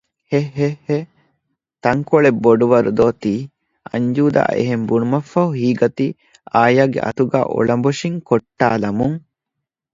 ހެހެހެ ތަންކޮޅެއް ބޮޑުވަރު ދޯ ތީ އަންޖޫދާ އެހެން ބުނުމަށްފަހު ހީގަތީ އާޔާގެ އަތުގައި އުޅަނބޮށިން ކޮށްޓާލަމުން